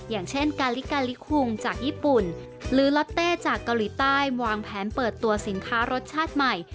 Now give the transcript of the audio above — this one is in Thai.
อย่างเช่นกาลิกาลิคุงจากญี่ปุ่นหรือล็อตเต้จากเกาหลีใต้วางแผนเปิดตัวสินค้ารสชาติใหม่